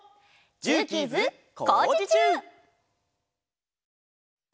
「ジューキーズこうじちゅう！」。